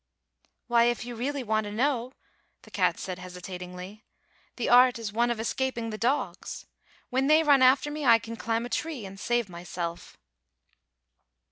"Why, if you really want to know," the cat said hesitatingly, "the art is one for es caping the dogs. When they run after me I can climb a tree and save myself."